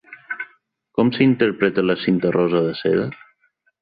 Com s'interpreta la cinta rosa de seda?